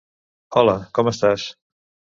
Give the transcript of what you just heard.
Hola, com estàs?